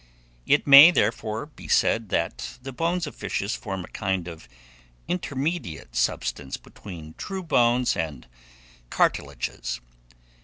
It may, therefore, be said that the bones of fishes form a kind of intermediate substance between true bones and cartilages.